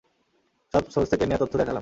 সব সোর্স থেকে নেয়া তথ্য দেখালাম।